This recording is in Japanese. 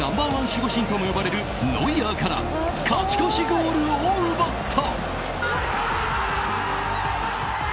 守護神とも呼ばれるノイアーから勝ち越しゴールを奪った。